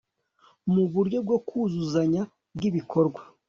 mu buryo bwo kuzuzanya kwibikorwa